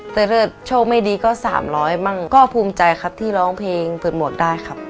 แต่ถ้าโชคไม่ดีก็สามร้อยบ้างก็ภูมิใจครับที่ร้องเพลงเปิดหมวกได้ครับ